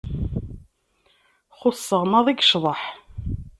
Xuṣṣeɣ maḍi deg ccḍeḥ.